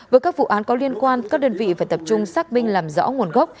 với các vụ án có liên quan các đơn vị phải tập trung xác minh làm rõ nguồn gốc